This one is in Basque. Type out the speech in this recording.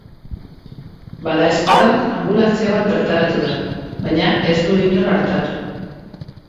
Badaezpada anbulantzia bat bertaratu da, baina ez du inor artatu.